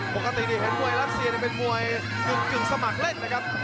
ปกติเห็นมวยรัสเซียเป็นมวยกึ่งสมัครเล่นเลยครับ